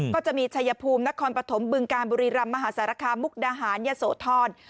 ก็จะมีชัยภูมินครปฐมบึงการบุรีรำมหาสารคามมุกดาหารยะโสธร